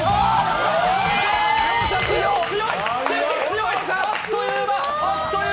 強い！